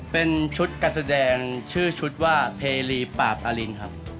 พ่อชื่ออะไรครับ